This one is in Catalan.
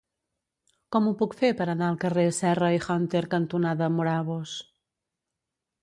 Com ho puc fer per anar al carrer Serra i Hunter cantonada Morabos?